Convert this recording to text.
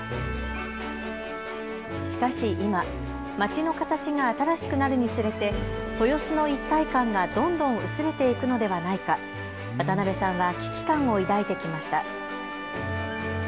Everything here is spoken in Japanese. しかし今、街の形が新しくなるにつれて豊洲の一体感がどんどん薄れていくのではないか、渡辺さんは危機感を抱いてきました。